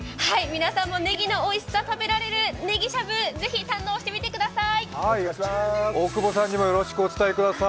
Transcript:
皆さんも、ねぎのおいしさ食べられるねぎしゃぶ、ぜひ堪能してください。